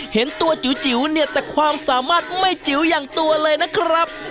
เห็นตัวจิ๋วเนี่ยแต่ความสามารถไม่จิ๋วอย่างตัวเลยนะครับ